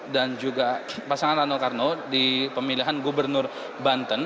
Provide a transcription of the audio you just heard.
dan juga pasangan rano karno di pemilihan gubernur banten